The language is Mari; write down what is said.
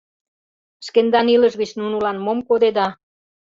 Шкендан илыш гыч нунылан мом кодеда?